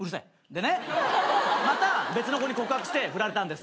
でねまた別の子に告白して振られたんです。